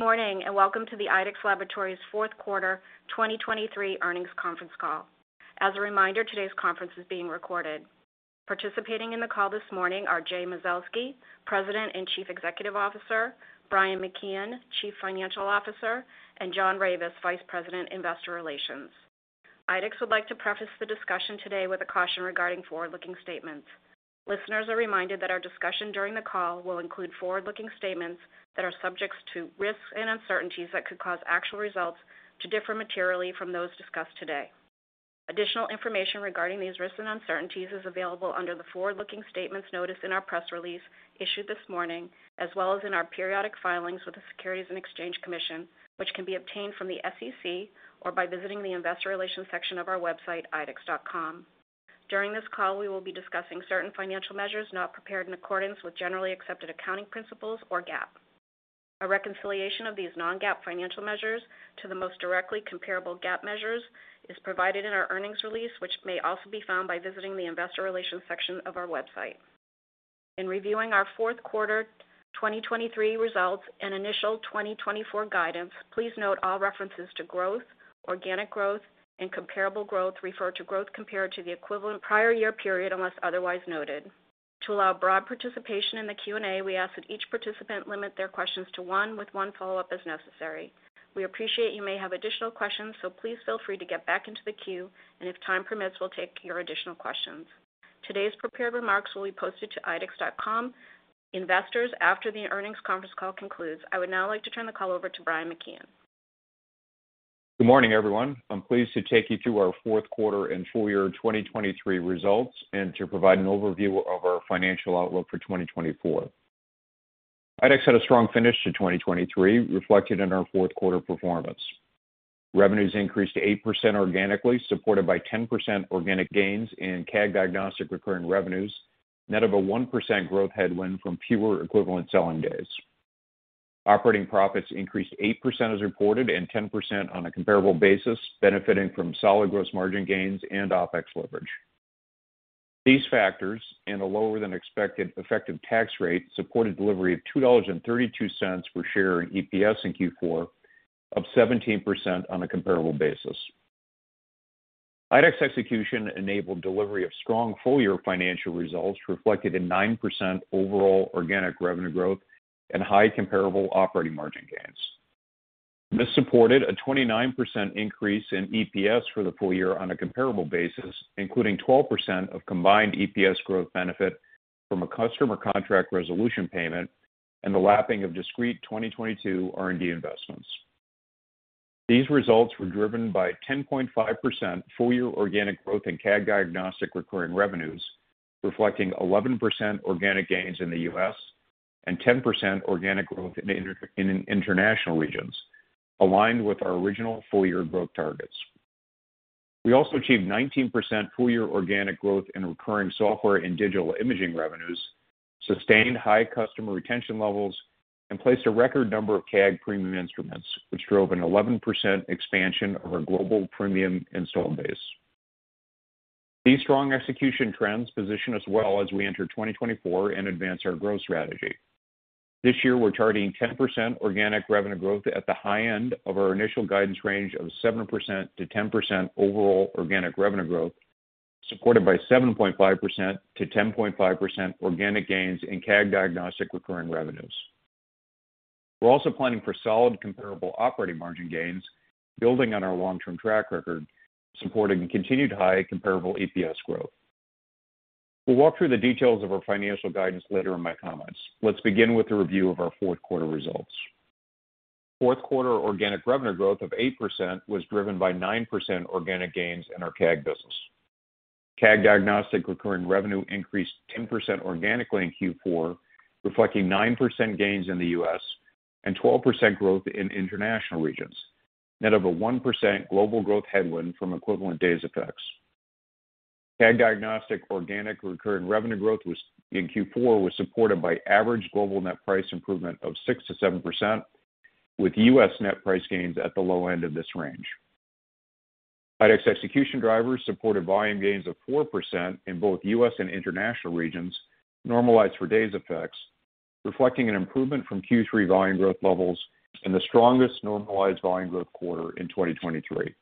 Good morning, and welcome to the IDEXX Laboratories' Fourth Quarter 2023 Earnings Conference Call. As a reminder, today's conference is being recorded. Participating in the call this morning are Jay Mazelsky, President and Chief Executive Officer, Brian McKeon, Chief Financial Officer, and John Ravis, Vice President, Investor Relations. IDEXX would like to preface the discussion today with a caution regarding forward-looking statements. Listeners are reminded that our discussion during the call will include forward-looking statements that are subjects to risks and uncertainties that could cause actual results to differ materially from those discussed today. Additional information regarding these risks and uncertainties is available under the forward-looking statements notice in our press release issued this morning, as well as in our periodic filings with the Securities and Exchange Commission, which can be obtained from the SEC or by visiting the Investor Relations section of our website, idexx.com. During this call, we will be discussing certain financial measures not prepared in accordance with generally accepted accounting principles or GAAP. A reconciliation of these non-GAAP financial measures to the most directly comparable GAAP measures is provided in our earnings release, which may also be found by visiting the Investor Relations section of our website. In reviewing our fourth quarter 2023 results and initial 2024 guidance, please note all references to growth, organic growth, and comparable growth refer to growth compared to the equivalent prior year period, unless otherwise noted. To allow broad participation in the Q&A, we ask that each participant limit their questions to one, with one follow-up as necessary. We appreciate you may have additional questions, so please feel free to get back into the queue, and if time permits, we'll take your additional questions. Today's prepared remarks will be posted to IDEXX.com. Investors, after the earnings conference call concludes, I would now like to turn the call over to Brian McKeon. Good morning, everyone. I'm pleased to take you through our Fourth Quarter and Full Year 2023 results and to provide an overview of our financial outlook for 2024. IDEXX had a strong finish to 2023, reflected in our fourth quarter performance. Revenues increased 8% organically, supported by 10% organic gains in CAG Diagnostic recurring revenues, net of a 1% growth headwind from fewer equivalent selling days. Operating profits increased 8% as reported, and 10% on a comparable basis, benefiting from solid gross margin gains and OpEx leverage. These factors, and a lower than expected effective tax rate, supported delivery of $2.32 per share in EPS in Q4, up 17% on a comparable basis. IDEXX execution enabled delivery of strong full-year financial results, reflected in 9% overall organic revenue growth and high comparable operating margin gains. This supported a 29% increase in EPS for the full year on a comparable basis, including 12% of combined EPS growth benefit from a customer contract resolution payment and the lapping of discrete 2022 R&D investments. These results were driven by 10.5% full-year organic growth in CAG Diagnostic recurring revenues, reflecting 11% organic gains in the U.S. and 10% organic growth in international regions, aligned with our original full-year growth targets. We also achieved 19% full-year organic growth in recurring software and digital imaging revenues, sustained high customer retention levels, and placed a record number of CAG premium instruments, which drove an 11% expansion of our global premium installed base. These strong execution trends position us well as we enter 2024 and advance our growth strategy. This year, we're targeting 10% organic revenue growth at the high end of our initial guidance range of 7%-10% overall organic revenue growth, supported by 7.5%-10.5% organic gains in CAG Diagnostic recurring revenues. We're also planning for solid comparable operating margin gains, building on our long-term track record, supporting continued high comparable EPS growth. We'll walk through the details of our financial guidance later in my comments. Let's begin with a review of our fourth quarter results. Fourth quarter organic revenue growth of 8% was driven by 9% organic gains in our CAG business. CAG Diagnostic recurring revenue increased 10% organically in Q4, reflecting 9% gains in the U.S. and 12% growth in international regions, net of a 1% global growth headwind from equivalent days effects. CAG Diagnostics organic recurring revenue growth in Q4 was supported by average global net price improvement of 6%-7%, with U.S. net price gains at the low end of this range. IDEXX execution drivers supported volume gains of 4% in both U.S. and international regions, normalized for days effects, reflecting an improvement from Q3 volume growth levels and the strongest normalized volume growth quarter in 2023.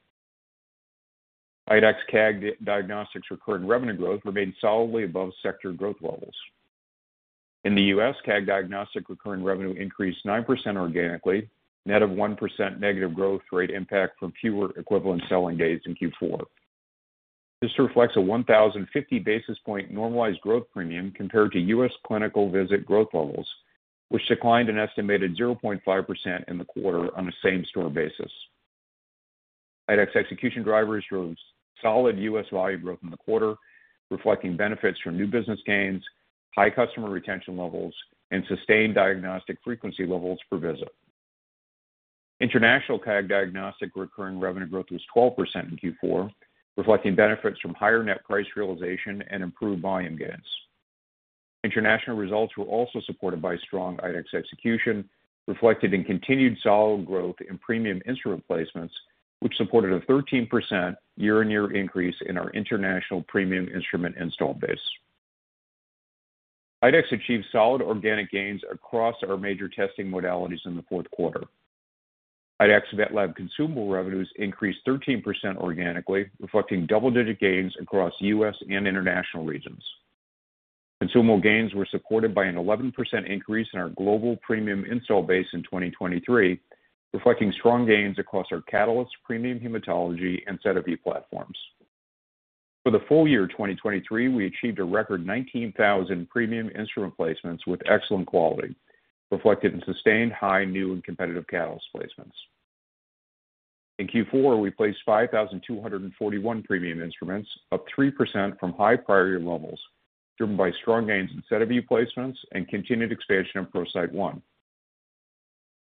IDEXX CAG Diagnostics recurring revenue growth remained solidly above sector growth levels. In the U.S., CAG Diagnostics recurring revenue increased 9% organically, net of 1% negative growth rate impact from fewer equivalent selling days in Q4. This reflects a 1,050 basis point normalized growth premium compared to U.S. clinical visit growth levels, which declined an estimated 0.5% in the quarter on a same-store basis. IDEXX execution drivers drove solid U.S. volume growth in the quarter, reflecting benefits from new business gains, high customer retention levels, and sustained diagnostic frequency levels per visit. International CAG diagnostics recurring revenue growth was 12% in Q4, reflecting benefits from higher net price realization and improved volume gains. International results were also supported by strong IDEXX execution, reflected in continued solid growth in premium instrument placements, which supported a 13% year-on-year increase in our international premium instrument install base. IDEXX achieved solid organic gains across our major testing modalities in the fourth quarter. IDEXX VetLab consumable revenues increased 13% organically, reflecting double-digit gains across U.S. and international regions. Consumable gains were supported by an 11% increase in our global premium install base in 2023, reflecting strong gains across our Catalyst premium hematology and SediVue platforms. For the full year 2023, we achieved a record 19,000 premium instrument placements with excellent quality, reflected in sustained high, new and competitive Catalyst placements. In Q4, we placed 5,241 premium instruments, up 3% from high prior year levels, driven by strong gains in SediVue placements and continued expansion of ProCyte One.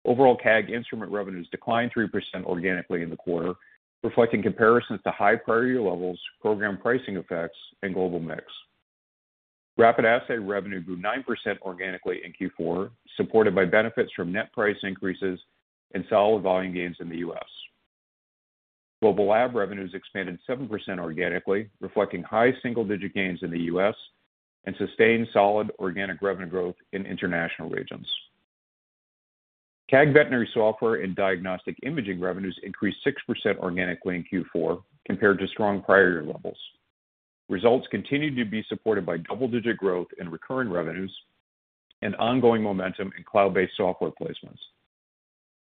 Overall, CAG instrument revenues declined 3% organically in the quarter, reflecting comparisons to high prior year levels, program pricing effects and global mix. Rapid assay revenue grew 9% organically in Q4, supported by benefits from net price increases and solid volume gains in the U.S. Global lab revenues expanded 7% organically, reflecting high single-digit gains in the U.S. and sustained solid organic revenue growth in international regions. CAG veterinary software and diagnostic imaging revenues increased 6% organically in Q4 compared to strong prior year levels. Results continued to be supported by double-digit growth in recurring revenues and ongoing momentum in cloud-based software placements.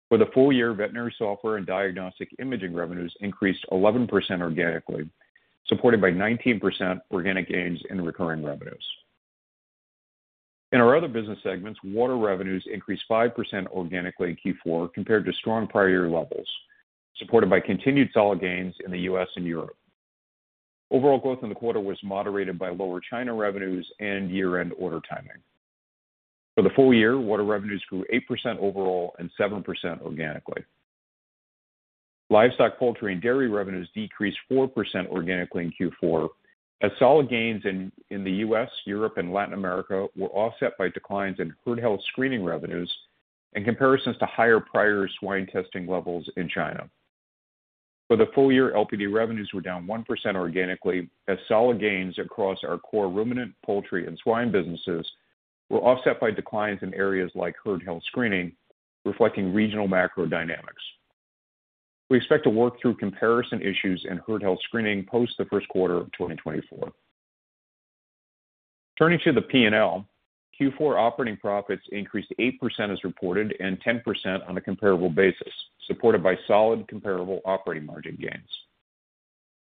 For the full year, veterinary software and diagnostic imaging revenues increased 11% organically, supported by 19% organic gains in recurring revenues. In our other business segments, water revenues increased 5% organically in Q4 compared to strong prior year levels, supported by continued solid gains in the U.S. and Europe. Overall growth in the quarter was moderated by lower China revenues and year-end order timing. For the full year, water revenues grew 8% overall and 7% organically. Livestock, Poultry and Dairy revenues decreased 4% organically in Q4, as solid gains in the U.S., Europe and Latin America were offset by declines in herd health screening revenues and comparisons to higher prior swine testing levels in China. For the full year, LPD revenues were down 1% organically, as solid gains across our core ruminant, poultry and swine businesses were offset by declines in areas like herd health screening, reflecting regional macro dynamics. We expect to work through comparison issues and herd health screening post the first quarter of 2024. Turning to the P&L, Q4 operating profits increased 8% as reported and 10% on a comparable basis, supported by solid comparable operating margin gains.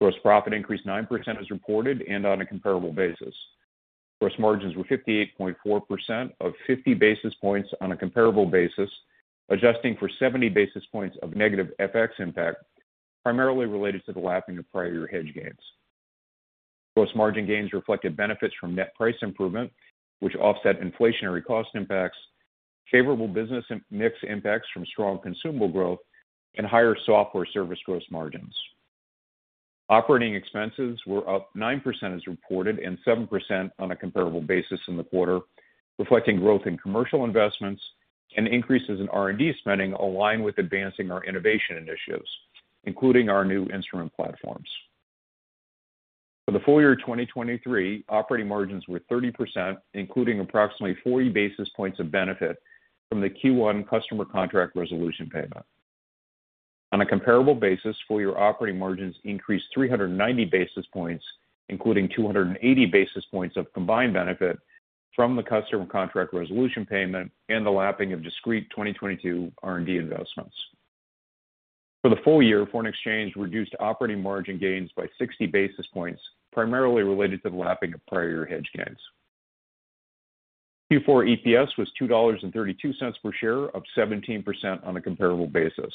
Gross profit increased 9% as reported and on a comparable basis. Gross margins were 58.4% of 50 basis points on a comparable basis, adjusting for 70 basis points of negative FX impact, primarily related to the lapping of prior year hedge gains. Gross margin gains reflected benefits from net price improvement, which offset inflationary cost impacts, favorable business mix impacts from strong consumable growth and higher software service gross margins. Operating expenses were up 9% as reported and 7% on a comparable basis in the quarter, reflecting growth in commercial investments and increases in R&D spending aligned with advancing our innovation initiatives, including our new instrument platforms. For the full year 2023, operating margins were 30%, including approximately 40 basis points of benefit from the Q1 customer contract resolution payment. On a comparable basis, full year operating margins increased 390 basis points, including 280 basis points of combined benefit from the customer contract resolution payment and the lapping of discrete 2022 R&D investments. For the full year, foreign exchange reduced operating margin gains by 60 basis points, primarily related to the lapping of prior year hedge gains. Q4 EPS was $2.32 per share, up 17% on a comparable basis.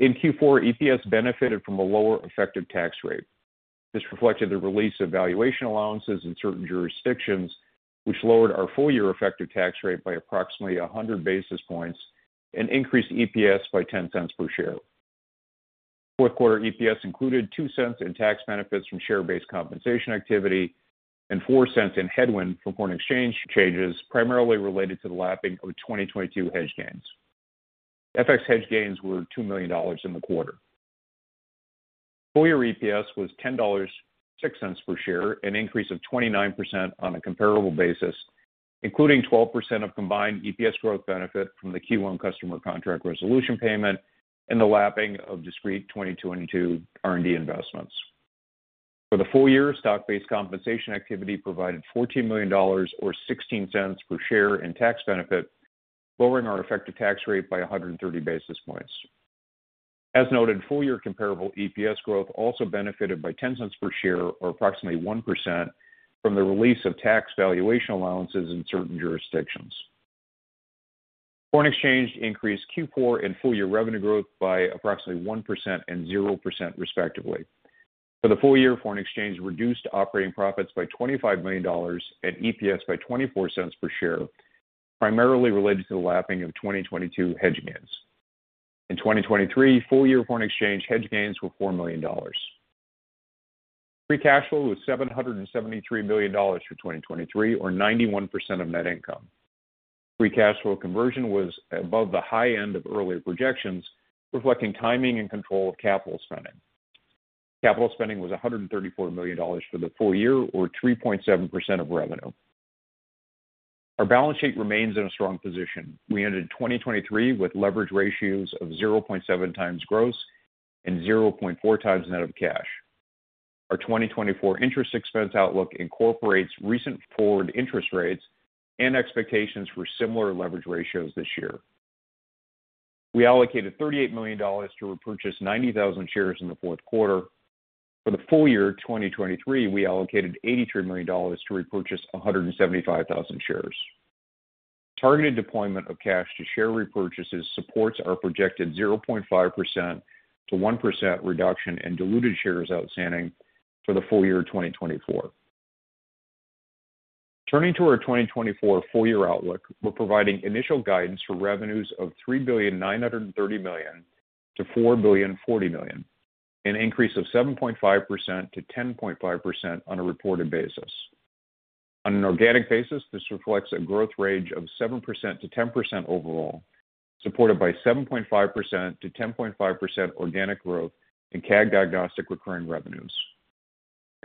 In Q4, EPS benefited from a lower effective tax rate. This reflected the release of valuation allowances in certain jurisdictions, which lowered our full year effective tax rate by approximately 100 basis points and increased EPS by $0.10 per share. Fourth quarter EPS included $0.02 in tax benefits from share-based compensation activity and $0.04 in headwind from foreign exchange changes, primarily related to the lapping of 2022 hedge gains. FX hedge gains were $2 million in the quarter. Full year EPS was $10.06 per share, an increase of 29% on a comparable basis, including 12% of combined EPS growth benefit from the Q1 customer contract resolution payment and the lapping of discrete 2022 R&D investments. For the full year, stock-based compensation activity provided $14 million or $0.16 per share in tax benefit, lowering our effective tax rate by 130 basis points. As noted, full year comparable EPS growth also benefited by $0.10 per share, or approximately 1%, from the release of tax valuation allowances in certain jurisdictions. Foreign exchange increased Q4 and full year revenue growth by approximately 1% and 0%, respectively. For the full year, foreign exchange reduced operating profits by $25 million and EPS by $0.24 per share, primarily related to the lapping of 2022 hedge gains. In 2023, full year foreign exchange hedge gains were $4 million. Free cash flow was $773 million for 2023, or 91% of net income. Free cash flow conversion was above the high end of earlier projections, reflecting timing and control of capital spending. Capital spending was $134 million for the full year, or 3.7% of revenue. Our balance sheet remains in a strong position. We ended 2023 with leverage ratios of 0.7x gross and 0.4x net of cash. Our 2024 interest expense outlook incorporates recent forward interest rates and expectations for similar leverage ratios this year. We allocated $38 million to repurchase 90,000 shares in the fourth quarter. For the full year 2023, we allocated $83 million to repurchase 175,000 shares. Targeted deployment of cash to share repurchases supports our projected 0.5%-1% reduction in diluted shares outstanding for the full year 2024. Turning to our 2024 full year outlook, we're providing initial guidance for revenues of $3.93 billion-$4.04 billion, an increase of 7.5%-10.5% on a reported basis. On an organic basis, this reflects a growth range of 7%-10% overall, supported by 7.5%-10.5% organic growth in CAG Diagnostic recurring revenues.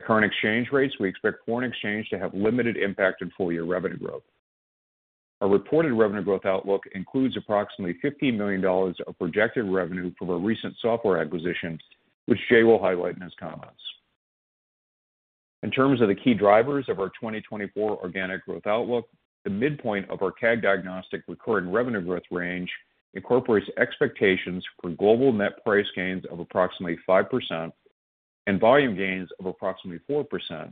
Current exchange rates, we expect foreign exchange to have limited impact in full year revenue growth. Our reported revenue growth outlook includes approximately $15 million of projected revenue from our recent software acquisition, which Jay will highlight in his comments. In terms of the key drivers of our 2024 organic growth outlook, the midpoint of our CAG Diagnostic recurring revenue growth range incorporates expectations for global net price gains of approximately 5% and volume gains of approximately 4%,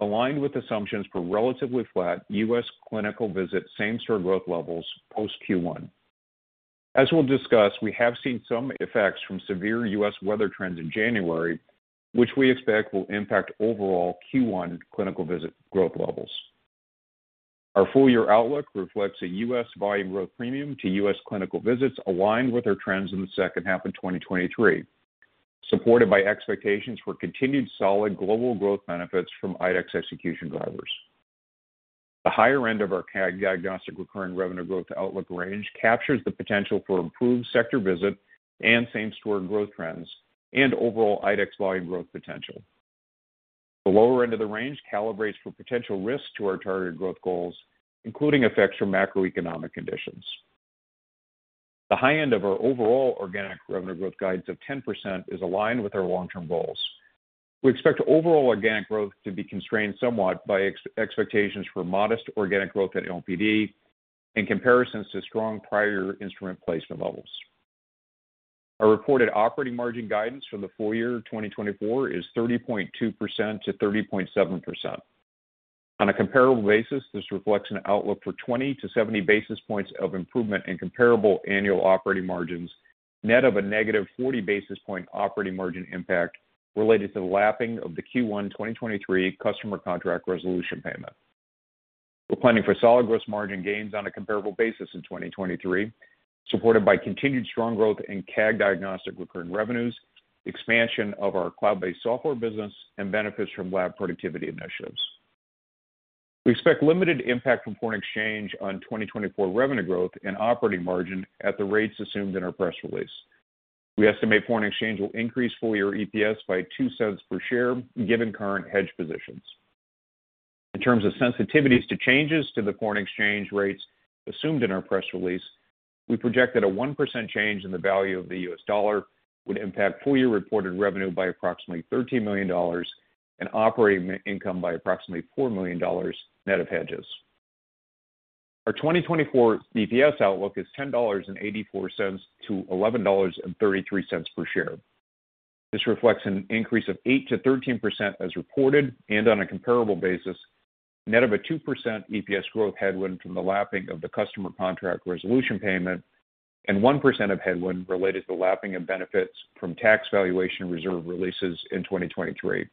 aligned with assumptions for relatively flat U.S. clinical visit same-store growth levels post Q1. As we'll discuss, we have seen some effects from severe U.S.. weather trends in January, which we expect will impact overall Q1 clinical visit growth levels. Our full year outlook reflects a US. volume growth premium to U.S. clinical visits, aligned with our trends in the second half of 2023, supported by expectations for continued solid global growth benefits from IDEXX execution drivers. The higher end of our CAG Diagnostic recurring revenue growth outlook range captures the potential for improved sector visit and same-store growth trends and overall IDEXX volume growth potential. The lower end of the range calibrates for potential risks to our targeted growth goals, including effects from macroeconomic conditions. The high end of our overall organic revenue growth guides of 10% is aligned with our long-term goals. We expect overall organic growth to be constrained somewhat by expectations for modest organic growth at LPD, in comparisons to strong prior instrument placement levels. Our reported operating margin guidance for the full year 2024 is 30.2%-30.7%. On a comparable basis, this reflects an outlook for 20 basis points-70 basis points of improvement in comparable annual operating margins, net of a negative 40 basis point operating margin impact related to the lapping of the Q1 2023 customer contract resolution payment. We're planning for solid gross margin gains on a comparable basis in 2023, supported by continued strong growth in CAG Diagnostic recurring revenues, expansion of our cloud-based software business, and benefits from lab productivity initiatives. We expect limited impact from foreign exchange on 2024 revenue growth and operating margin at the rates assumed in our press release. We estimate foreign exchange will increase full year EPS by $0.02 per share, given current hedge positions. In terms of sensitivities to changes to the foreign exchange rates assumed in our press release, we projected a 1% change in the value of the U.S. dollar would impact full-year reported revenue by approximately $13 million and operating income by approximately $4 million, net of hedges. Our 2024 DPS outlook is $10.84-$11.33 per share. This reflects an increase of 8%-13% as reported and on a comparable basis, net of a 2% EPS growth headwind from the lapping of the customer contract resolution payment, and 1% of headwind related to lapping of benefits from tax valuation reserve releases in 2023.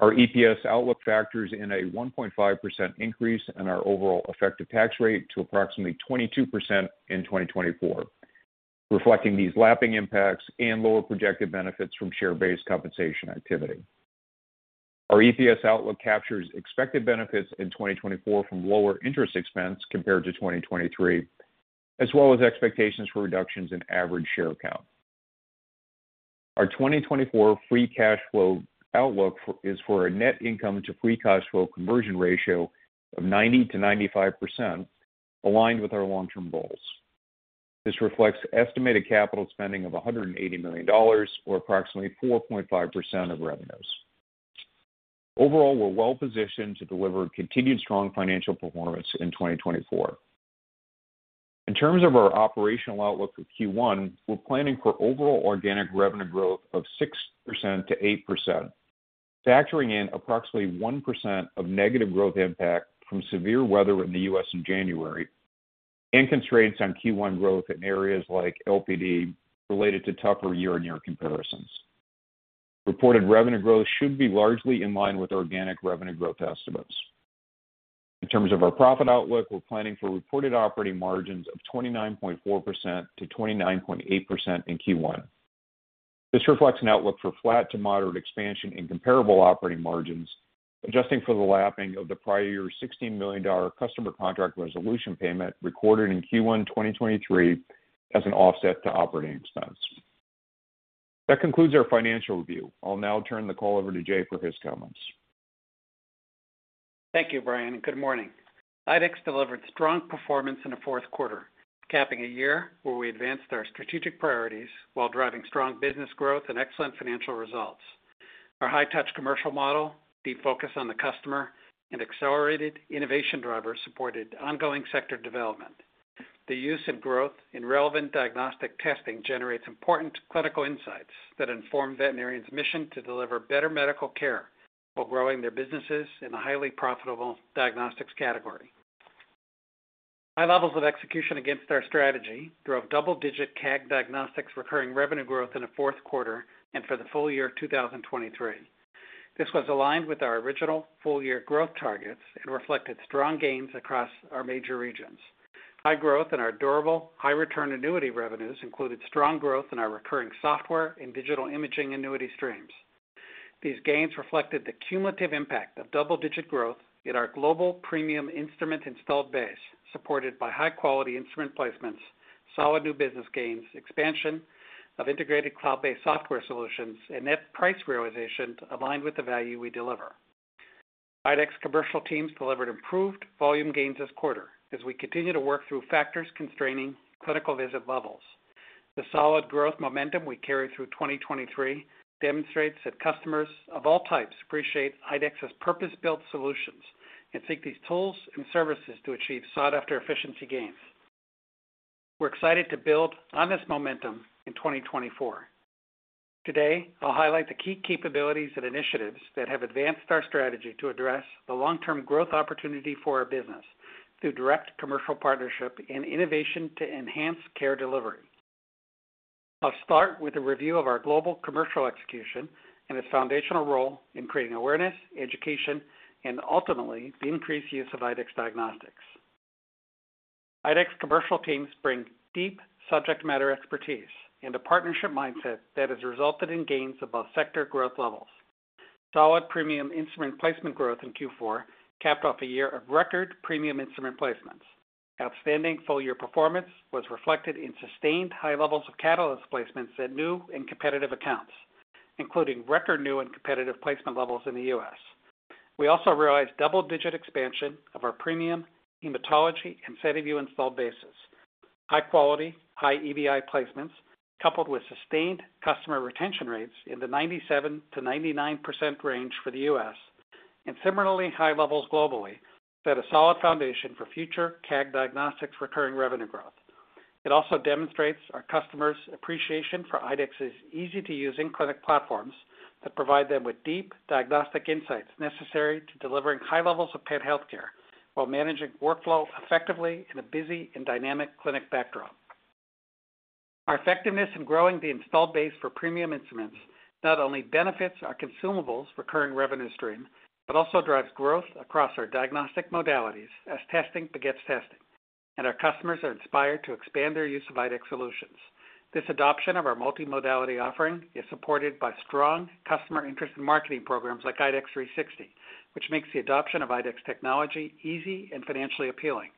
Our EPS outlook factors in a 1.5% increase in our overall effective tax rate to approximately 22% in 2024, reflecting these lapping impacts and lower projected benefits from share-based compensation activity. Our EPS outlook captures expected benefits in 2024 from lower interest expense compared to 2023, as well as expectations for reductions in average share count. Our 2024 free cash flow outlook is for a net income to free cash flow conversion ratio of 90%-95%, aligned with our long-term goals. This reflects estimated capital spending of $180 million or approximately 4.5% of revenues. Overall, we're well positioned to deliver continued strong financial performance in 2024. In terms of our operational outlook for Q1, we're planning for overall organic revenue growth of 6%-8%, factoring in approximately 1% of negative growth impact from severe weather in the U.S. in January, and constraints on Q1 growth in areas like LPD related to tougher year-on-year comparisons. Reported revenue growth should be largely in line with organic revenue growth estimates. In terms of our profit outlook, we're planning for reported operating margins of 29.4%-29.8% in Q1. This reflects an outlook for flat to moderate expansion and comparable operating margins, adjusting for the lapping of the prior year $16 million customer contract resolution payment recorded in Q1 2023 as an offset to operating expense. That concludes our financial review. I'll now turn the call over to Jay for his comments. Thank you, Brian, and good morning. IDEXX delivered strong performance in the fourth quarter, capping a year where we advanced our strategic priorities while driving strong business growth and excellent financial results. Our high-touch commercial model, deep focus on the customer, and accelerated innovation drivers supported ongoing sector development. The use and growth in relevant diagnostic testing generates important clinical insights that inform veterinarians' mission to deliver better medical care while growing their businesses in a highly profitable diagnostics category. High levels of execution against our strategy drove double-digit CAG diagnostics recurring revenue growth in the fourth quarter and for the full year 2023. This was aligned with our original full year growth targets and reflected strong gains across our major regions. High growth in our durable, high return annuity revenues included strong growth in our recurring software and digital imaging annuity streams. These gains reflected the cumulative impact of double-digit growth in our global premium instrument installed base, supported by high-quality instrument placements, solid new business gains, expansion of integrated cloud-based software solutions, and net price realization aligned with the value we deliver. IDEXX commercial teams delivered improved volume gains this quarter as we continue to work through factors constraining clinical visit levels. The solid growth momentum we carried through 2023 demonstrates that customers of all types appreciate IDEXX's purpose-built solutions and seek these tools and services to achieve sought-after efficiency gains. We're excited to build on this momentum in 2024. Today, I'll highlight the key capabilities and initiatives that have advanced our strategy to address the long-term growth opportunity for our business through direct commercial partnership and innovation to enhance care delivery. I'll start with a review of our global commercial execution and its foundational role in creating awareness, education, and ultimately, the increased use of IDEXX diagnostics. IDEXX commercial teams bring deep subject matter expertise and a partnership mindset that has resulted in gains above sector growth levels. Solid premium instrument placement growth in Q4 capped off a year of record premium instrument placements. Outstanding full-year performance was reflected in sustained high levels of Catalyst placements at new and competitive accounts, including record new and competitive placement levels in the U.S. We also realized double-digit expansion of our premium hematology and SediVue installed bases. High quality, high EBI placements, coupled with sustained customer retention rates in the 97%-99% range for the U.S. and similarly high levels globally, set a solid foundation for future CAG diagnostics recurring revenue growth. It also demonstrates our customers' appreciation for IDEXX's easy-to-use in-clinic platforms that provide them with deep diagnostic insights necessary to delivering high levels of pet healthcare while managing workflow effectively in a busy and dynamic clinic backdrop. Our effectiveness in growing the installed base for premium instruments not only benefits our consumables recurring revenue stream, but also drives growth across our diagnostic modalities as testing begets testing, and our customers are inspired to expand their use of IDEXX solutions. This adoption of our multimodality offering is supported by strong customer interest and marketing programs like IDEXX 360, which makes the adoption of IDEXX technology easy and financially appealing.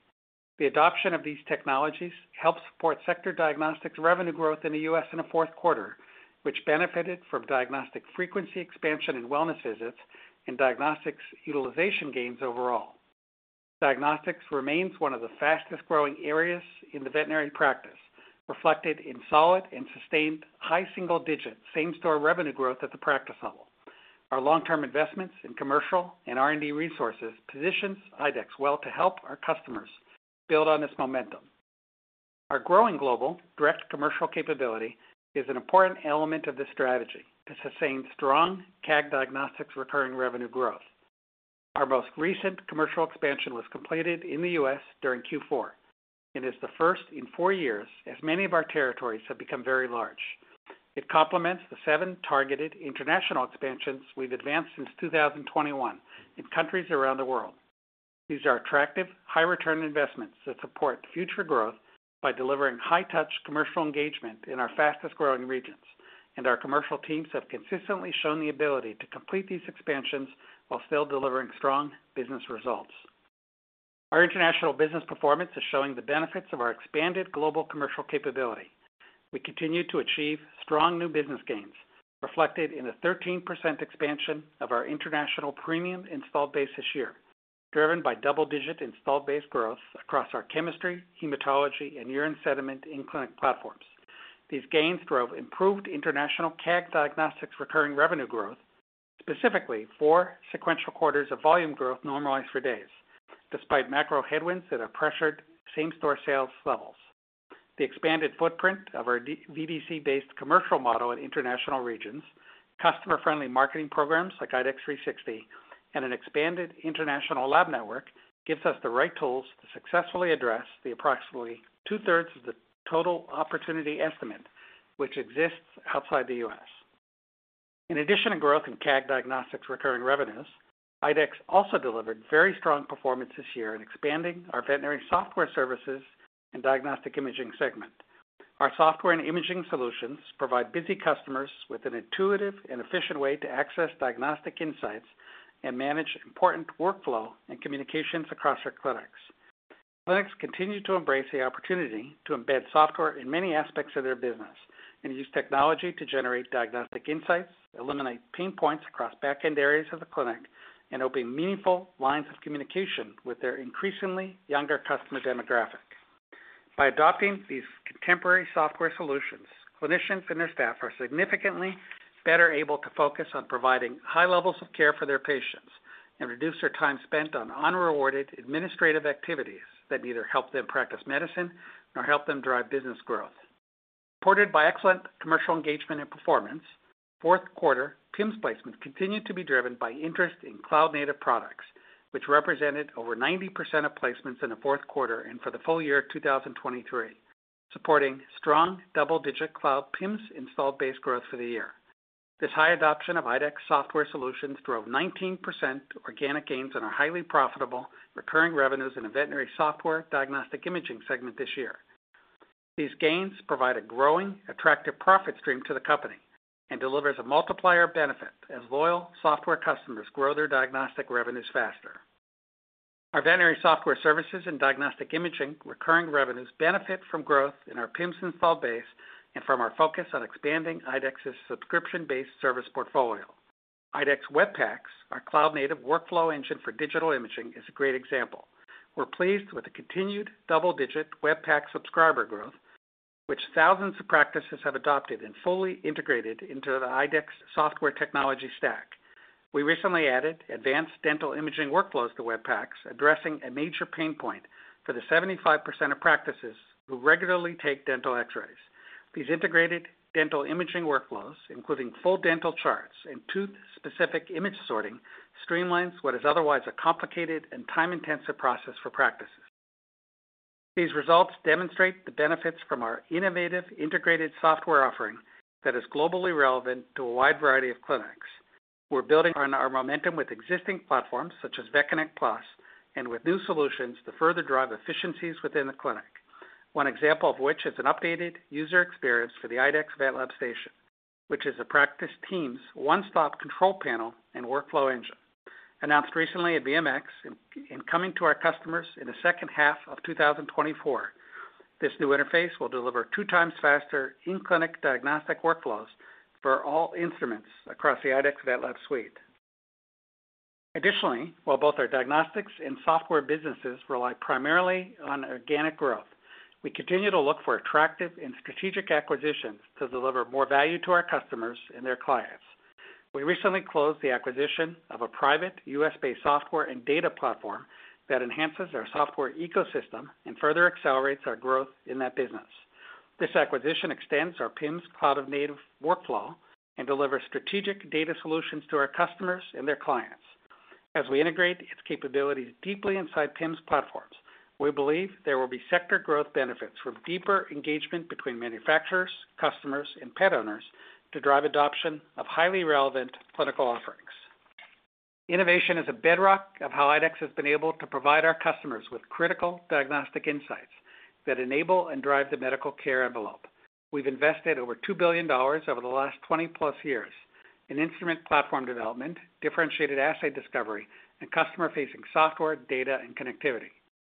The adoption of these technologies helps support sector diagnostics revenue growth in the US in the fourth quarter, which benefited from diagnostic frequency expansion in wellness visits and diagnostics utilization gains overall. Diagnostics remains one of the fastest-growing areas in the veterinary practice, reflected in solid and sustained high single-digit same-store revenue growth at the practice level. Our long-term investments in commercial and R&D resources positions IDEXX well to help our customers build on this momentum. Our growing global direct commercial capability is an important element of this strategy to sustain strong CAG diagnostics recurring revenue growth. Our most recent commercial expansion was completed in the U.S. during Q4 and is the first in four years, as many of our territories have become very large. It complements the seven targeted international expansions we've advanced since 2021 in countries around the world. These are attractive, high return investments that support future growth by delivering high-touch commercial engagement in our fastest-growing regions. Our commercial teams have consistently shown the ability to complete these expansions while still delivering strong business results. Our international business performance is showing the benefits of our expanded global commercial capability. We continue to achieve strong new business gains, reflected in a 13% expansion of our international premium installed base this year, driven by double-digit installed base growth across our chemistry, hematology, and urine sediment in clinic platforms. These gains drove improved international CAG diagnostics recurring revenue growth, specifically four sequential quarters of volume growth normalized for days, despite macro headwinds that have pressured same-store sales levels. The expanded footprint of our Digital VVC-based commercial model in international regions, customer-friendly marketing programs like IDEXX 360, and an expanded international lab network gives us the right tools to successfully address the approximately two-thirds of the total opportunity estimate which exists outside the U.S. In addition to growth in CAG diagnostics recurring revenues, IDEXX also delivered very strong performance this year in expanding our veterinary software services and diagnostic imaging segment. Our software and imaging solutions provide busy customers with an intuitive and efficient way to access diagnostic insights and manage important workflow and communications across their clinics. Clinics continue to embrace the opportunity to embed software in many aspects of their business and use technology to generate diagnostic insights, eliminate pain points across back-end areas of the clinic, and open meaningful lines of communication with their increasingly younger customer demographic. By adopting these contemporary software solutions, clinicians and their staff are significantly better able to focus on providing high levels of care for their patients and reduce their time spent on unrewarded administrative activities that neither help them practice medicine nor help them drive business growth. Supported by excellent commercial engagement and performance, fourth quarter PIMS placements continued to be driven by interest in cloud-native products, which represented over 90% of placements in the fourth quarter and for the full year of 2023, supporting strong double-digit cloud PIMS installed base growth for the year. This high adoption of IDEXX software solutions drove 19% organic gains on our highly profitable recurring revenues in the veterinary software diagnostic imaging segment this year. These gains provide a growing, attractive profit stream to the company and delivers a multiplier benefit as loyal software customers grow their diagnostic revenues faster. Our veterinary software services and diagnostic imaging recurring revenues benefit from growth in our PIMS install base and from our focus on expanding IDEXX's subscription-based service portfolio. IDEXX Web PACS, our cloud-native workflow engine for digital imaging, is a great example. We're pleased with the continued double-digit Web PACS subscriber growth, which thousands of practices have adopted and fully integrated into the IDEXX software technology stack. We recently added advanced dental imaging workflows to Web PACS, addressing a major pain point for the 75% of practices who regularly take dental X-rays. These integrated dental imaging workflows, including full dental charts and tooth-specific image sorting, streamlines what is otherwise a complicated and time-intensive process for practices. These results demonstrate the benefits from our innovative integrated software offering that is globally relevant to a wide variety of clinics. We're building on our momentum with existing platforms such as VetConnect PLUS and with new solutions to further drive efficiencies within the clinic. One example of which is an updated user experience for the IDEXX VetLab Station, which is a practice team's one-stop control panel and workflow engine. Announced recently at VMX and coming to our customers in the second half of 2024, this new interface will deliver 2x faster in-clinic diagnostic workflows for all instruments across the IDEXX VetLab suite. Additionally, while both our diagnostics and software businesses rely primarily on organic growth, we continue to look for attractive and strategic acquisitions to deliver more value to our customers and their clients. We recently closed the acquisition of a private U.S.-based software and data platform that enhances our software ecosystem and further accelerates our growth in that business. This acquisition extends our PIMS cloud-native workflow and delivers strategic data solutions to our customers and their clients. As we integrate its capabilities deeply inside PIMS platforms, we believe there will be sector growth benefits from deeper engagement between manufacturers, customers, and pet owners to drive adoption of highly relevant clinical offerings. Innovation is a bedrock of how IDEXX has been able to provide our customers with critical diagnostic insights that enable and drive the medical care envelope. We've invested over $2 billion over the last 20+ years in instrument platform development, differentiated assay discovery, and customer-facing software, data, and connectivity.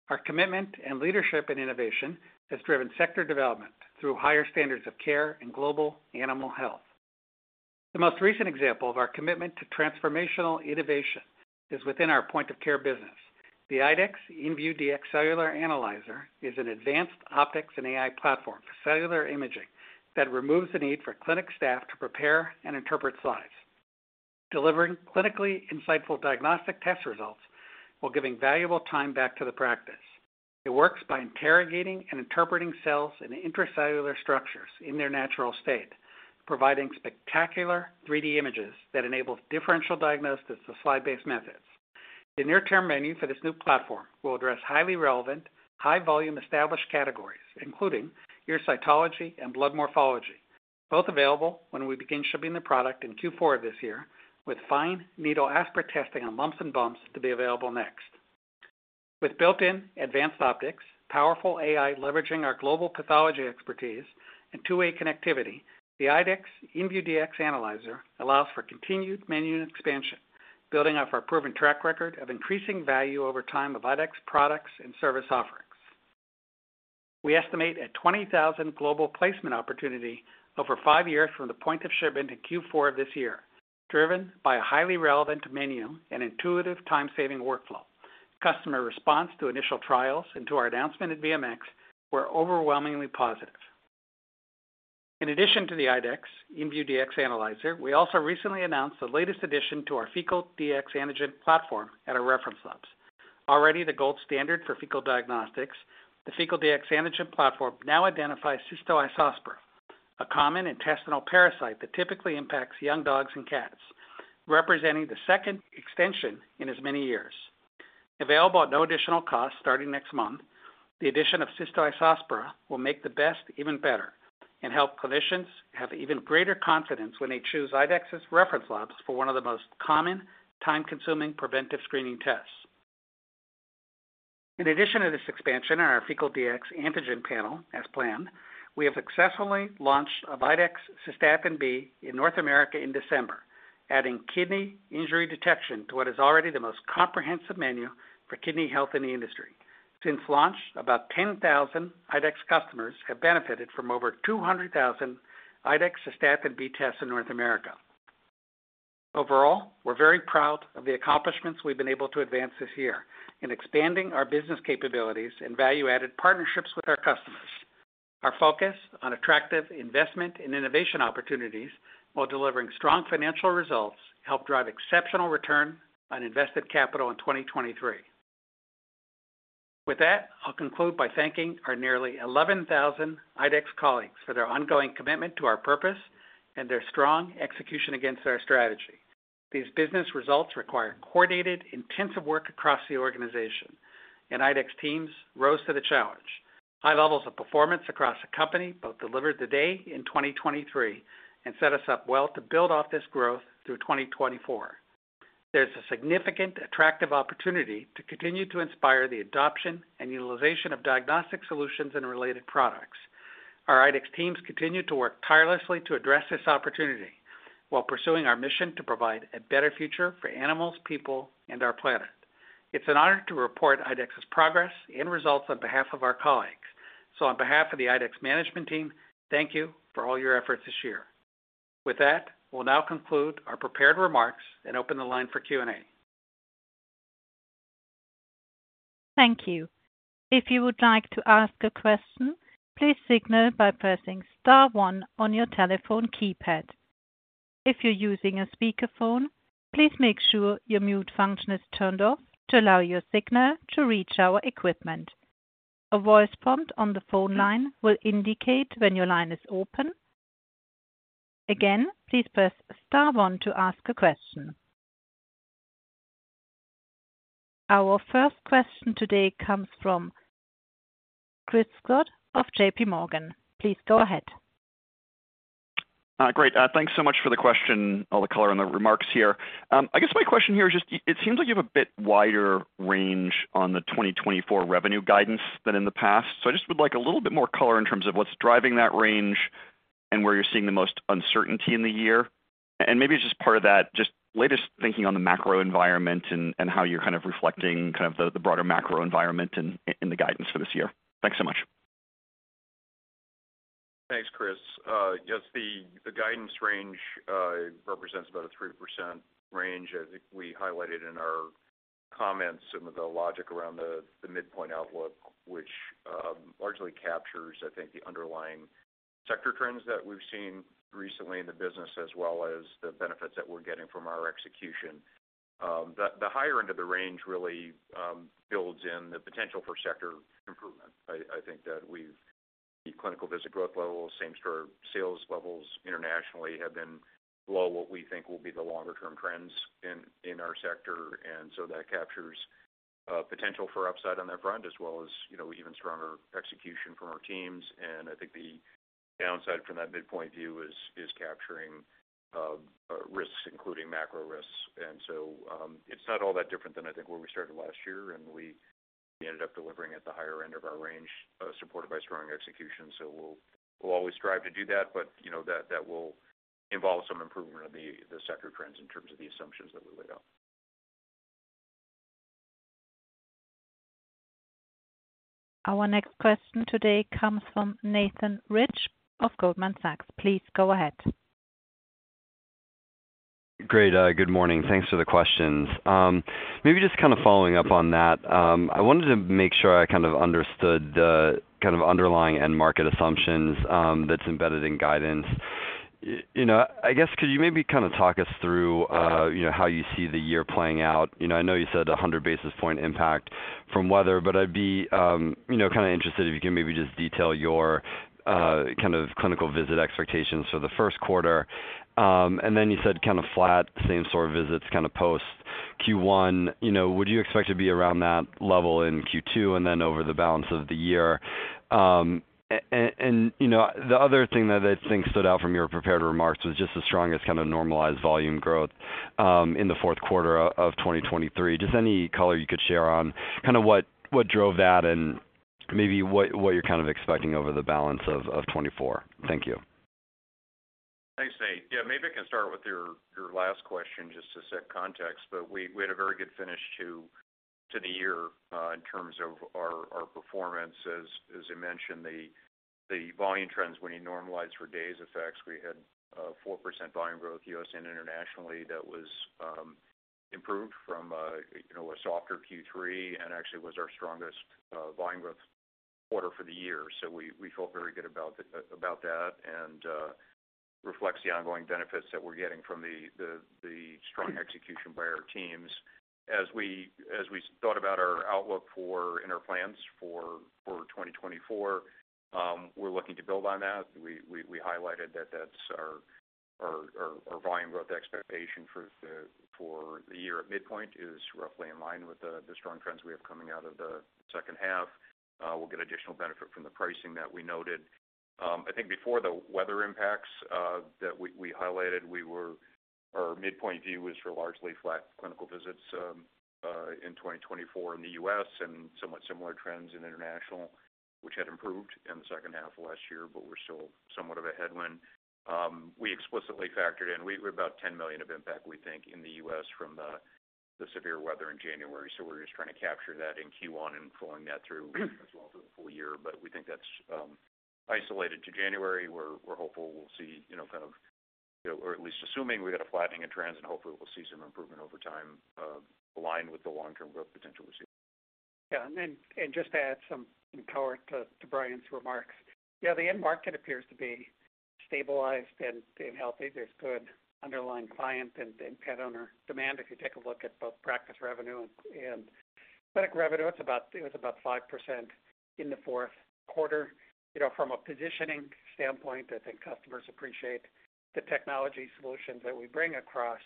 Our commitment and leadership in innovation has driven sector development through higher standards of care in global animal health. The most recent example of our commitment to transformational innovation is within our point-of-care business. The IDEXX inVue Dx Cellular Analyzer is an advanced optics and AI platform for cellular imaging that removes the need for clinic staff to prepare and interpret slides, delivering clinically insightful diagnostic test results while giving valuable time back to the practice. It works by interrogating and interpreting cells and intracellular structures in their natural state, providing spectacular 3D images that enables differential diagnosis of slide-based methods. The near-term menu for this new platform will address highly relevant, high volume, established categories, including ear cytology and blood morphology, both available when we begin shipping the product in Q4 of this year, with fine needle aspirate testing on lumps and bumps to be available next. With built-in advanced optics, powerful AI leveraging our global pathology expertise, and two-way connectivity, the IDEXX inVue Dx Cellular Analyzer allows for continued menu expansion, building off our proven track record of increasing value over time of IDEXX products and service offerings. We estimate a 20,000 global placement opportunity over five years from the point of shipment in Q4 of this year, driven by a highly relevant menu and intuitive time-saving workflow. Customer response to initial trials and to our announcement at VMX were overwhelmingly positive. In addition to the IDEXX inVue Dx Analyzer, we also recently announced the latest addition to our Fecal Dx Antigen platform at our reference labs. Already the gold standard for fecal diagnostics, the Fecal Dx Antigen platform now identifies Cystoisospora, a common intestinal parasite that typically impacts young dogs and cats, representing the second extension in as many years. Available at no additional cost starting next month, the addition of Cystoisospora will make the best even better and help clinicians have even greater confidence when they choose IDEXX's reference labs for one of the most common, time-consuming preventive screening tests. ...In addition to this expansion in our Fecal Dx antigen panel, as planned, we have successfully launched IDEXX Cystatin B in North America in December, adding kidney injury detection to what is already the most comprehensive menu for kidney health in the industry. Since launch, about 10,000 IDEXX customers have benefited from over 200,000 IDEXX Cystatin B tests in North America. Overall, we're very proud of the accomplishments we've been able to advance this year in expanding our business capabilities and value-added partnerships with our customers. Our focus on attractive investment and innovation opportunities, while delivering strong financial results, helped drive exceptional return on invested capital in 2023. With that, I'll conclude by thanking our nearly 11,000 IDEXX colleagues for their ongoing commitment to our purpose and their strong execution against our strategy. These business results require coordinated, intensive work across the organization, and IDEXX teams rose to the challenge. High levels of performance across the company both delivered today in 2023 and set us up well to build off this growth through 2024. There's a significant, attractive opportunity to continue to inspire the adoption and utilization of diagnostic solutions and related products. Our IDEXX teams continue to work tirelessly to address this opportunity while pursuing our mission to provide a better future for animals, people, and our planet. It's an honor to report IDEXX's progress and results on behalf of our colleagues. So on behalf of the IDEXX management team, thank you for all your efforts this year. With that, we'll now conclude our prepared remarks and open the line for Q&A. Thank you. If you would like to ask a question, please signal by pressing star one on your telephone keypad. If you're using a speakerphone, please make sure your mute function is turned off to allow your signal to reach our equipment. A voice prompt on the phone line will indicate when your line is open. Again, please press star one to ask a question. Our first question today comes from Chris Schott of JPMorgan. Please go ahead. Great, thanks so much for the question, all the color on the remarks here. I guess my question here is just, it seems like you have a bit wider range on the 2024 revenue guidance than in the past. So I just would like a little bit more color in terms of what's driving that range and where you're seeing the most uncertainty in the year. And maybe just part of that, just latest thinking on the macro environment and how you're kind of reflecting kind of the broader macro environment in the guidance for this year. Thanks so much. Thanks, Chris. Yes, the guidance range represents about a 3% range. I think we highlighted in our comments some of the logic around the midpoint outlook, which largely captures, I think, the underlying sector trends that we've seen recently in the business, as well as the benefits that we're getting from our execution. The higher end of the range really builds in the potential for sector improvement. I think that we've. The clinical visit growth levels, same store sales levels internationally, have been below what we think will be the longer-term trends in our sector. And so that captures potential for upside on that front, as well as, you know, even stronger execution from our teams. And I think the downside from that midpoint view is capturing risks, including macro risks. So, it's not all that different than I think where we started last year, and we ended up delivering at the higher end of our range, supported by strong execution. So we'll always strive to do that, but, you know, that will involve some improvement of the sector trends in terms of the assumptions that we laid out. Our next question today comes from Nathan Rich of Goldman Sachs. Please go ahead. Great. Good morning. Thanks for the questions. Maybe just kind of following up on that, I wanted to make sure I kind of understood the kind of underlying end market assumptions that's embedded in guidance. You know, I guess, could you maybe kind of talk us through, you know, how you see the year playing out? You know, I know you said 100 basis point impact from weather, but I'd be, you know, kind of interested if you can maybe just detail your kind of clinical visit expectations for the first quarter. And then you said kind of flat, same sort of visits, kind of post Q1. You know, would you expect to be around that level in Q2 and then over the balance of the year? And, you know, the other thing that I think stood out from your prepared remarks was just the strongest kind of normalized volume growth in the fourth quarter of 2023. Just any color you could share on kind of what drove that and maybe what you're kind of expecting over the balance of 2024. Thank you. Thanks, Nate. Yeah, maybe I can start with your last question just to set context. But we had a very good finish to the year in terms of our performance. As I mentioned, the volume trends, when you normalize for days effects, we had 4% volume growth, U.S. and internationally, that was improved from you know, a softer Q3 and actually was our strongest volume growth quarter for the year. So we felt very good about that and reflects the ongoing benefits that we're getting from the strong execution by our teams. As we thought about our outlook for and our plans for 2024, we're looking to build on that. We highlighted that that's our volume growth expectation for the year at midpoint is roughly in line with the strong trends we have coming out of the second half. We'll get additional benefit from the pricing that we noted. I think before the weather impacts that we highlighted, our midpoint view was for largely flat clinical visits in 2024 in the U.S. and somewhat similar trends in international, which had improved in the second half of last year, but were still somewhat of a headwind. We explicitly factored in, we're about $10 million of impact, we think, in the U.S. from the severe weather in January. So we're just trying to capture that in Q1 and pulling that through as well for the full year. But we think that's isolated to January. We're hopeful we'll see, you know, kind of, or at least assuming we had a flattening in trends, and hopefully we'll see some improvement over time, aligned with the long-term growth potential we see. Yeah, just to add some power to Brian's remarks. Yeah, the end market appears to be stabilized and healthy. There's good underlying client and pet owner demand. If you take a look at both practice revenue and clinic revenue, it was about 5% in the fourth quarter. You know, from a positioning standpoint, I think customers appreciate the technology solutions that we bring across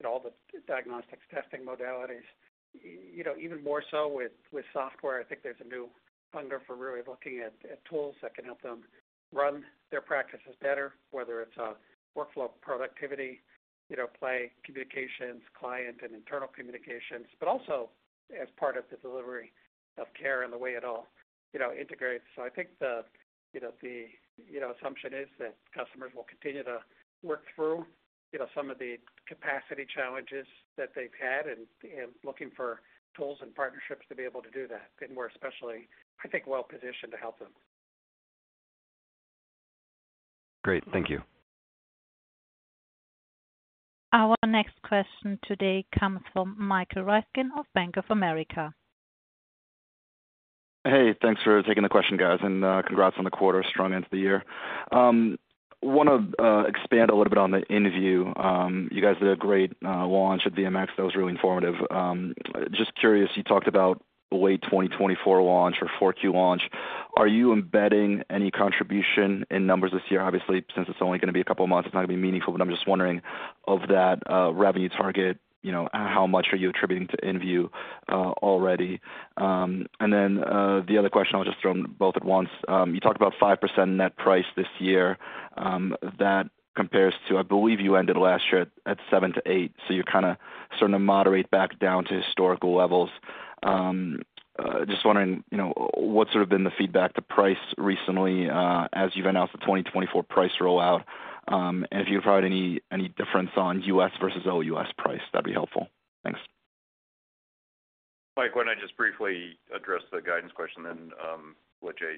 in all the diagnostics testing modalities. You know, even more so with software, I think there's a new hunger for really looking at tools that can help them run their practices better, whether it's a workflow, productivity, you know, practice communications, client and internal communications, but also as part of the delivery of care and the way it all, you know, integrates. So, I think, you know, the assumption is that customers will continue to work through, you know, some of the capacity challenges that they've had and looking for tools and partnerships to be able to do that. And we're especially, I think, well positioned to help them. Great. Thank you. Our next question today comes from Michael Ryskin of Bank of America. Hey, thanks for taking the question, guys, and congrats on the quarter. Strong end to the year. Want to expand a little bit on the inVue. You guys did a great launch at VMX. That was really informative. Just curious, you talked about the late 2024 launch or Q4 launch. Are you embedding any contribution in numbers this year? Obviously, since it's only gonna be a couple of months, it's not gonna be meaningful, but I'm just wondering, of that revenue target, you know, how much are you attributing to inVue already? And then, the other question, I'll just throw them both at once. You talked about 5% net price this year. That compares to, I believe you ended last year at seven to eight, so you're kinda starting to moderate back down to historical levels. Just wondering, you know, what's sort of been the feedback to price recently, as you've announced the 2024 price rollout, and if you've provided any, any difference on US versus OUS price, that'd be helpful. Thanks. Mike, why don't I just briefly address the guidance question then let Jay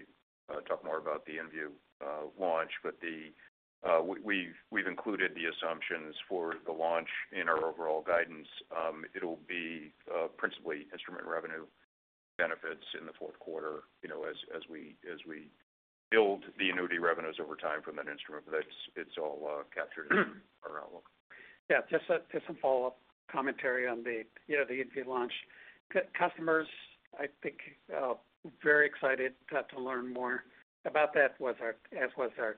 talk more about the inVue launch? But we've included the assumptions for the launch in our overall guidance. It'll be principally instrument revenue benefits in the fourth quarter, you know, as we build the annuity revenues over time from that instrument. But that's-it's all captured in our outlook. Yeah, just some follow-up commentary on the, you know, the inVue launch. Customers, I think, very excited to learn more about that, as was our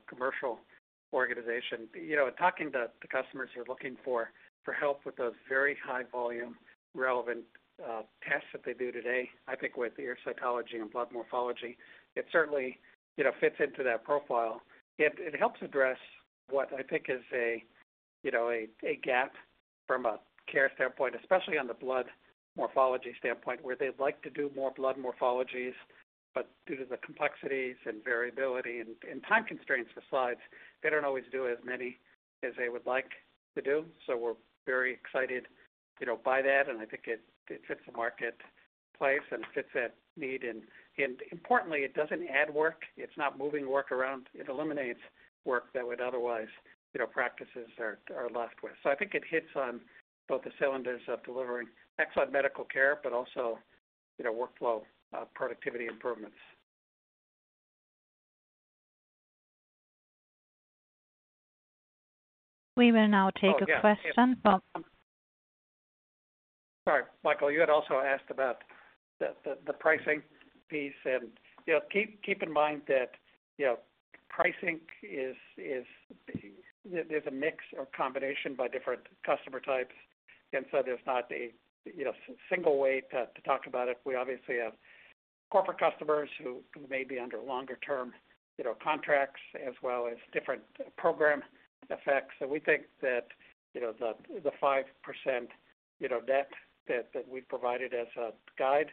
commercial organization. You know, talking to the customers who are looking for help with those very high volume relevant tests that they do today, I think with cytology and blood morphology, it certainly, you know, fits into that profile. It helps address what I think is a, you know, a gap from a care standpoint, especially on the blood morphology standpoint, where they'd like to do more blood morphologies, but due to the complexities and variability and time constraints for slides, they don't always do as many as they would like to do. So we're very excited, you know, by that, and I think it fits the marketplace and fits that need. And importantly, it doesn't add work. It's not moving work around. It eliminates work that would otherwise, you know, practices are left with. So I think it hits on both the cylinders of delivering excellent medical care, but also, you know, workflow, productivity improvements. We will now take a question from- Sorry, Michael, you had also asked about the pricing piece. And, you know, keep in mind that, you know, pricing is. There's a mix or combination by different customer types, and so there's not a, you know, single way to talk about it. We obviously have corporate customers who may be under longer-term, you know, contracts, as well as different program effects. So we think that, you know, the 5% that we provided as a guide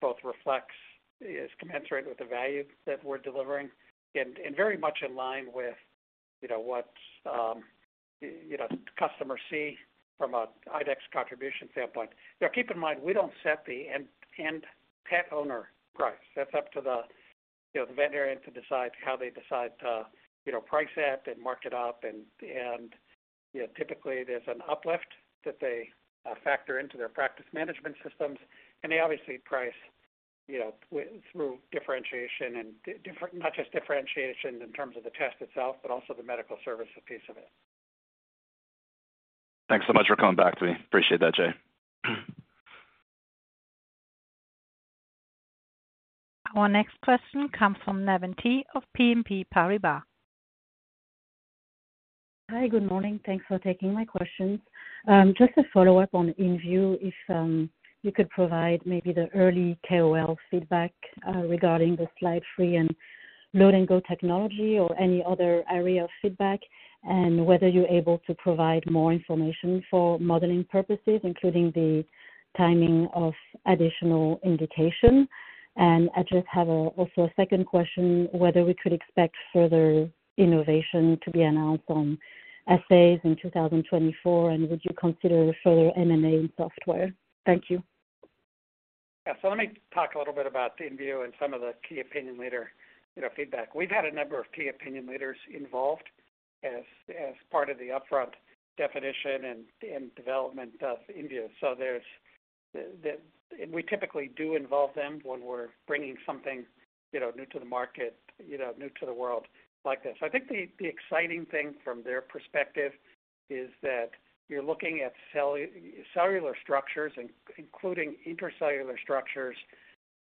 both reflects, is commensurate with the value that we're delivering, and very much in line with, you know, what, you know, customers see from an IDEXX contribution standpoint. Now, keep in mind, we don't set the end pet owner price. That's up to the, you know, the veterinarian to decide how they decide to, you know, price at and mark it up. And you know, typically, there's an uplift that they factor into their practice management systems, and they obviously price, you know, through differentiation and not just differentiation in terms of the test itself, but also the medical services piece of it. Thanks so much for coming back to me. Appreciate that, Jay. Our next question comes from Navann Ty of BNP Paribas. Hi, good morning. Thanks for taking my questions. Just a follow-up on inVue, if you could provide maybe the early KOL feedback regarding the slide-free and load-and-go technology or any other area of feedback, and whether you're able to provide more information for modeling purposes, including the timing of additional indication. I just have a second question, whether we could expect further innovation to be announced on assays in 2024, and would you consider a further M&A in software? Thank you. Yeah. So let me talk a little bit about inVue and some of the key opinion leader, you know, feedback. We've had a number of key opinion leaders involved as part of the upfront definition and development of inVue. So there's. And we typically do involve them when we're bringing something, you know, new to the market, you know, new to the world like this. So I think the exciting thing from their perspective is that you're looking at cellular structures, including intracellular structures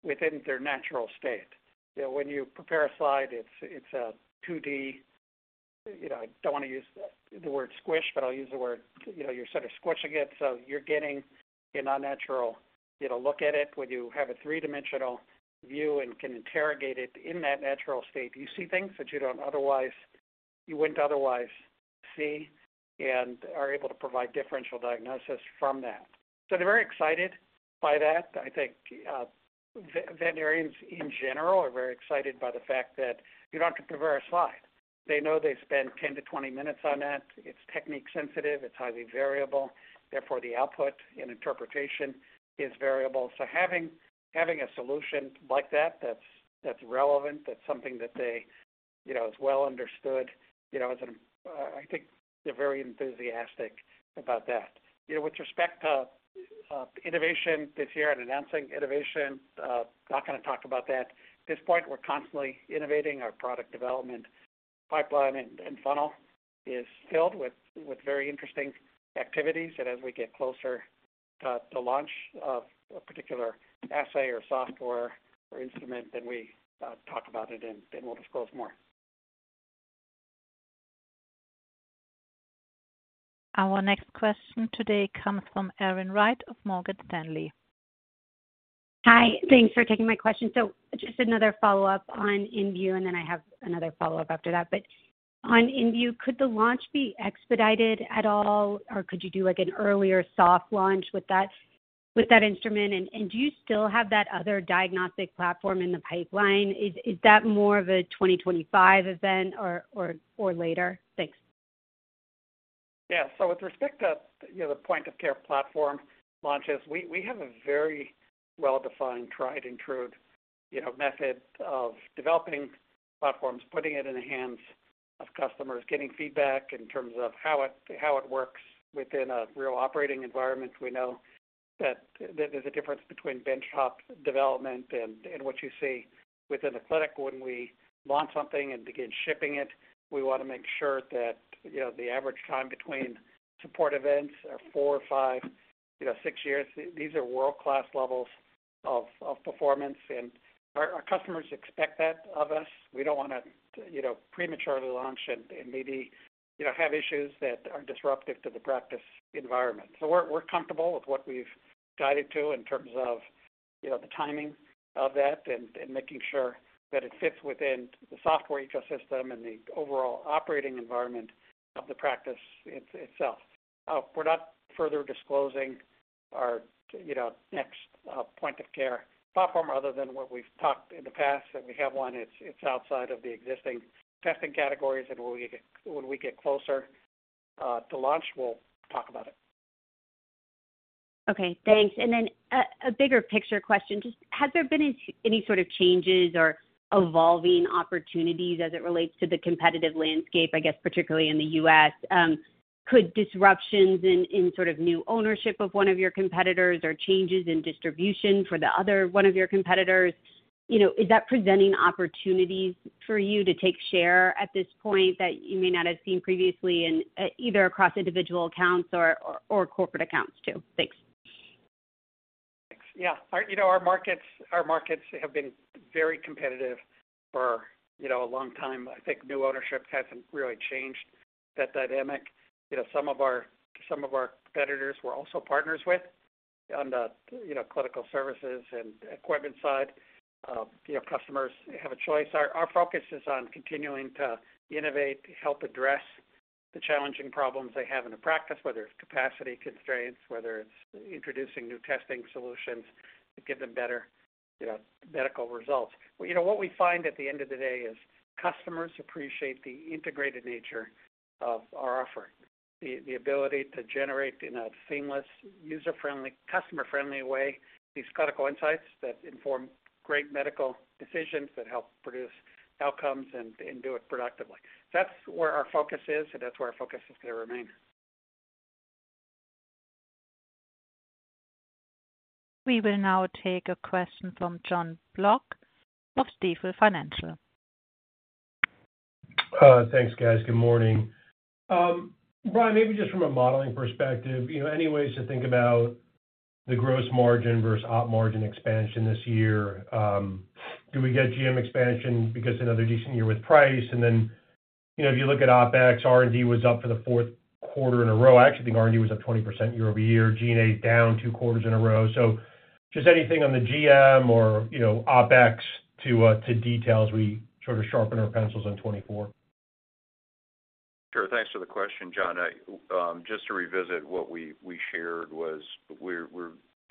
within their natural state. You know, when you prepare a slide, it's a 2D, you know, I don't want to use the word squish, but I'll use the word, you know, you're sort of squishing it, so you're getting an unnatural, you know, look at it. When you have a three-dimensional view and can interrogate it in that natural state, you see things that you wouldn't otherwise see, and are able to provide differential diagnosis from that. So they're very excited by that. I think, veterinarians in general are very excited by the fact that you don't have to prepare a slide. They know they spend 10-20 minutes on that. It's technique sensitive, it's highly variable, therefore, the output and interpretation is variable. So having a solution like that, that's relevant, that's something that they, you know, is well understood, you know, is an, I think they're very enthusiastic about that. You know, with respect to, innovation this year and announcing innovation, not gonna talk about that. At this point, we're constantly innovating. Our product development pipeline and funnel is filled with very interesting activities, and as we get closer to launch of a particular assay or software or instrument, then we talk about it, and we'll disclose more. Our next question today comes from Erin Wright of Morgan Stanley. Hi, thanks for taking my question. So just another follow-up on inVue, and then I have another follow-up after that. But on inVue, could the launch be expedited at all, or could you do, like, an earlier soft launch with that, with that instrument? And do you still have that other diagnostic platform in the pipeline? Is that more of a 2025 event or later? Thanks. Yeah. So with respect to, you know, the point-of-care platform launches, we have a very well-defined, tried and true, you know, method of developing platforms, putting it in the hands of customers, getting feedback in terms of how it works within a real operating environment. We know that there's a difference between bench-top development and what you see within a clinic. When we launch something and begin shipping it, we want to make sure that, you know, the average time between support events are four, five, you know, six years. These are world-class levels of performance, and our customers expect that of us. We don't want to, you know, prematurely launch and maybe, you know, have issues that are disruptive to the practice environment. So we're comfortable with what we've guided to in terms of, you know, the timing of that and making sure that it fits within the software ecosystem and the overall operating environment of the practice itself. We're not further disclosing our, you know, next point of care platform other than what we've talked in the past, and we have one. It's outside of the existing testing categories, and when we get closer to launch, we'll talk about it. Okay, thanks. And then a bigger picture question: Just has there been any sort of changes or evolving opportunities as it relates to the competitive landscape, I guess, particularly in the U.S.? Could disruptions in sort of new ownership of one of your competitors or changes in distribution for the other one of your competitors, you know, is that presenting opportunities for you to take share at this point that you may not have seen previously in either across individual accounts or corporate accounts, too? Thanks. Thanks. Yeah. Our, you know, our markets, our markets have been very competitive for, you know, a long time. I think new ownership hasn't really changed that dynamic. You know, some of our, some of our competitors we're also partners with on the, you know, clinical services and equipment side. You know, customers have a choice. Our, our focus is on continuing to innovate, to help address the challenging problems they have in a practice, whether it's capacity constraints, whether it's introducing new testing solutions to give them better, you know, medical results. You know, what we find at the end of the day is customers appreciate the integrated nature of our offer, the, the ability to generate, in a seamless, user-friendly, customer-friendly way, these clinical insights that inform great medical decisions, that help produce outcomes and, and do it productively. That's where our focus is, and that's where our focus is going to remain. We will now take a question from Jon Block of Stifel Financial. Thanks, guys. Good morning. Brian, maybe just from a modeling perspective, you know, any ways to think about- ..the gross margin versus op margin expansion this year. Do we get GM expansion because another decent year with price? And then, you know, if you look at OpEx, R&D was up for the fourth quarter in a row. I actually think R&D was up 20% year-over-year, G&A down two quarters in a row. So just anything on the GM or, you know, OpEx to details, we sort of sharpen our pencils in 2024. Sure. Thanks for the question, Jon. Just to revisit what we shared was, we're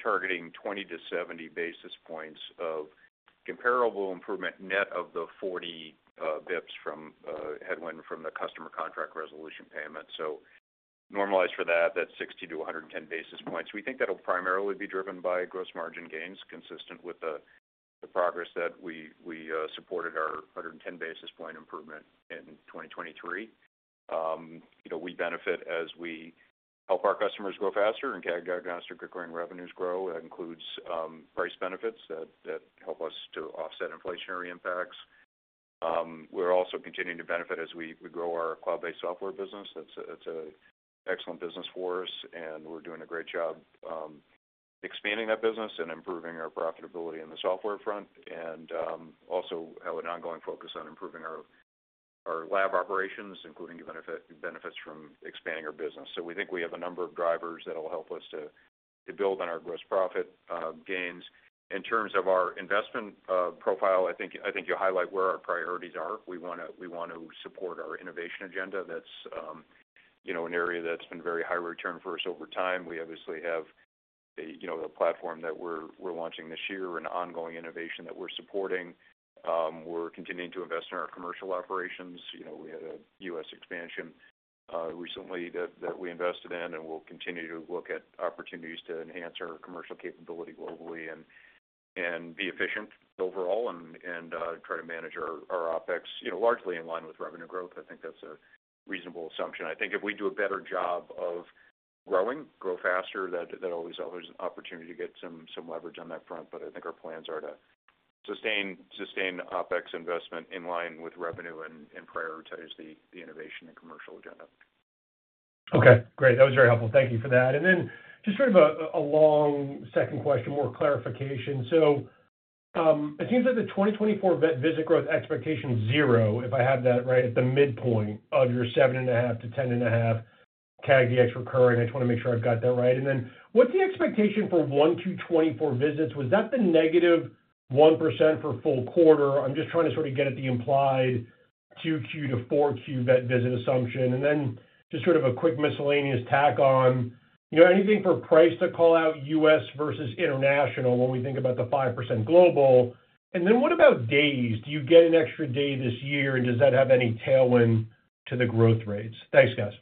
targeting 20 basis points-70 basis points of comparable improvement, net of the 40 basis points from headwind from the customer contract resolution payment. So normalized for that, that's 60 basis points-110 basis points. We think that'll primarily be driven by gross margin gains, consistent with the progress that we supported our 110 basis point improvement in 2023. You know, we benefit as we help our customers grow faster and CAG diagnostic recurring revenues grow. That includes price benefits that help us to offset inflationary impacts. We're also continuing to benefit as we grow our cloud-based software business. That's an excellent business for us, and we're doing a great job expanding that business and improving our profitability in the software front, and also have an ongoing focus on improving our lab operations, including the benefits from expanding our business. So we think we have a number of drivers that will help us build on our gross profit gains. In terms of our investment profile, I think you highlight where our priorities are. We want to support our innovation agenda. That's, you know, an area that's been very high return for us over time. We obviously have, you know, a platform that we're launching this year, an ongoing innovation that we're supporting. We're continuing to invest in our commercial operations. You know, we had a U.S. expansion recently that, that we invested in, and we'll continue to look at opportunities to enhance our commercial capability globally and, and be efficient overall and, and try to manage our, our OpEx, you know, largely in line with revenue growth. I think that's a reasonable assumption. I think if we do a better job of growing, grow faster, that, that always offers an opportunity to get some, some leverage on that front. But I think our plans are to sustain, sustain OpEx investment in line with revenue and, and prioritize the, the innovation and commercial agenda. Okay, great. That was very helpful. Thank you for that. And then just sort of a long second question, more clarification. So, it seems like the 2024 vet visit growth expectation is zero, if I have that right, at the midpoint of your 7.5-10.5 CAG Dx recurring. I just wanna make sure I've got that right. And then what's the expectation for one to 2024 visits? Was that the -1% for full quarter? I'm just trying to sort of get at the implied 2Q-4Q vet visit assumption. And then just sort of a quick miscellaneous tack on, you know, anything for price to call out U.S. versus international when we think about the 5% global? And then what about days? Do you get an extra day this year, and does that have any tailwind to the growth rates? Thanks, guys.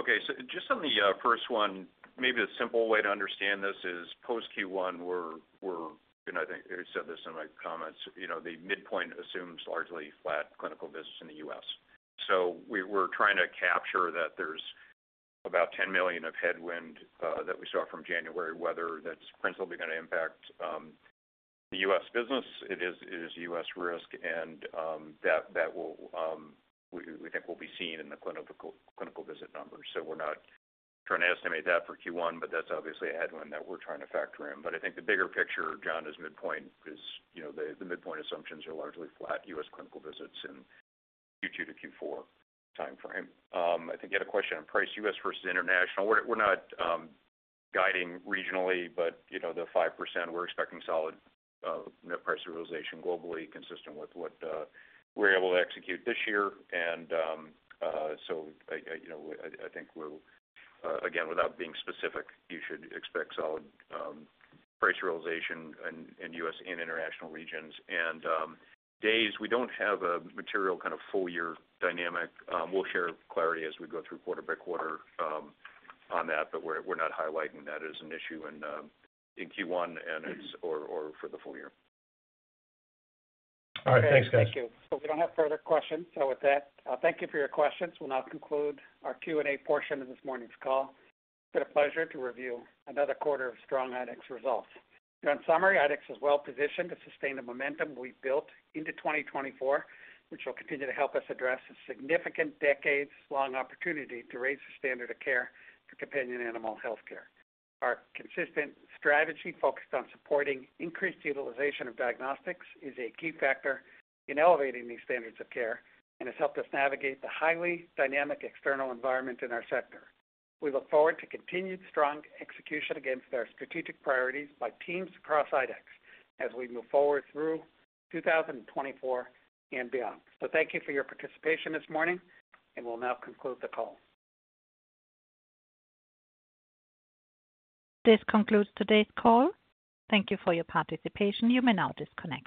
Okay, so just on the first one, maybe a simple way to understand this is post Q1, we're. And I think I said this in my comments, you know, the midpoint assumes largely flat clinical visits in the U.S. So we're trying to capture that there's about $10 million of headwind that we saw from January, whether that's principally gonna impact the U.S. business. It is U.S. risk and that will, we think will be seen in the clinical visit numbers. So we're not trying to estimate that for Q1, but that's obviously a headwind that we're trying to factor in. But I think the bigger picture, Jon, is midpoint is, you know, the midpoint assumptions are largely flat U.S. clinical visits in Q2 to Q4 timeframe. I think you had a question on price, U.S. versus international. We're not guiding regionally, but you know, the 5%, we're expecting solid net price realization globally, consistent with what we're able to execute this year. And so I you know I think we'll again, without being specific, you should expect solid price realization in U.S. and international regions. And days, we don't have a material kind of full year dynamic. We'll share clarity as we go through quarter by quarter on that, but we're not highlighting that as an issue in Q1 and it's or for the full year. All right. Thanks, guys. Thank you. So we don't have further questions. So with that, thank you for your questions. We'll now conclude our Q&A portion of this morning's call. It's been a pleasure to review another quarter of strong IDEXX results. In summary, IDEXX is well positioned to sustain the momentum we've built into 2024, which will continue to help us address a significant, decades-long opportunity to raise the standard of care for companion animal healthcare. Our consistent strategy, focused on supporting increased utilization of diagnostics, is a key factor in elevating these standards of care and has helped us navigate the highly dynamic external environment in our sector. We look forward to continued strong execution against our strategic priorities by teams across IDEXX as we move forward through 2024 and beyond. So thank you for your participation this morning, and we'll now conclude the call. This concludes today's call. Thank you for your participation. You may now disconnect.